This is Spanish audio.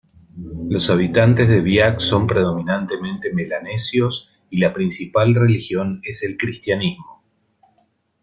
Los habitantes de Biak son predominantemente melanesios y la principal religión es el cristianismo.